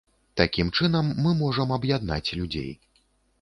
Такім чынам мы можам аб'яднаць людзей.